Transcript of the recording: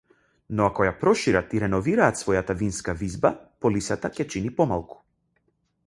Но ако ја прошират и реновираат својата винска визба, полисата ќе чини помалку.